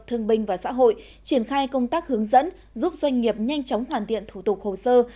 thương binh và xã hội triển khai công tác hướng dẫn giúp doanh nghiệp nhanh chóng hoàn thiện thủ tục hồ sơ